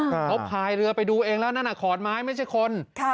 เขาพายเรือไปดูเองแล้วนั่นน่ะขอนไม้ไม่ใช่คน